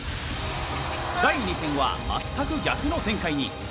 第２戦は全く逆の展開に。